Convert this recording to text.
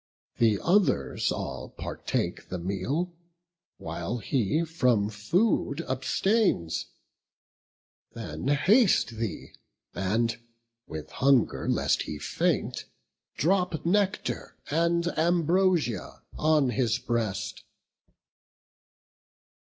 the others all Partake the meal, while he from food abstains: Then haste thee, and, with hunger lest he faint, Drop nectar and ambrosia on his breast."